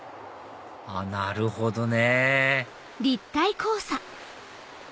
なるほどね！